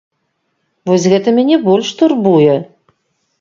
Вось гэта мяне больш турбуе.